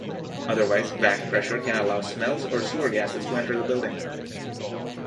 Otherwise, back pressure can allow smells or sewer gases to enter the building.